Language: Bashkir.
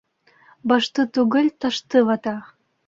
Башты түгел, ташты вата